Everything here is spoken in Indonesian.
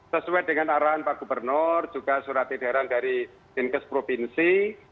sesuai dengan arahan pak gubernur juga surat edaran dari dinkes provinsi